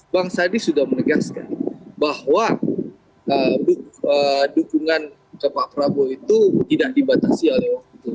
bang sandi sudah menegaskan bahwa dukungan ke pak prabowo itu tidak dibatasi oleh waktu itu